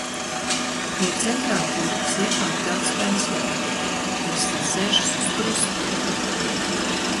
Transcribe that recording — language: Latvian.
Pie Centrāltirgus iekāpj daudz pensionāru, kuri sasēžas uz krustiem.